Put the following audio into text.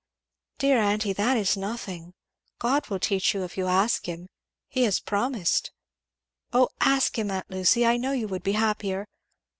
"Dear aunty! that is nothing God will teach you if you ask him; he has promised. Oh ask him, aunt Lucy! I know you would be happier!